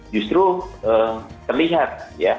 justru terlihat ya